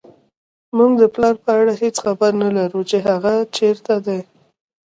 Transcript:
موږ د پلار په اړه هېڅ خبر نه لرو چې هغه چېرته دی